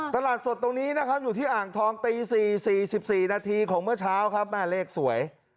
ตลาดสดตรงนี้นะครับอยู่ที่อ่างทองตี๔๔นาทีของเมื่อเช้าครับแม่เลขสวย